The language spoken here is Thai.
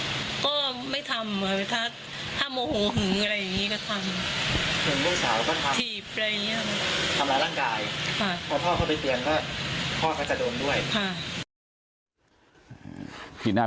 ทำลายร่างกาย